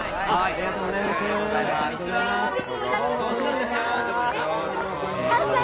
ありがとうございます！